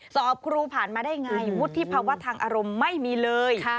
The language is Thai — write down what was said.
สอบครูผ่านมาได้ไงวุฒิภาวะทางอารมณ์ไม่มีเลย